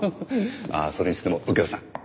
それにしても右京さん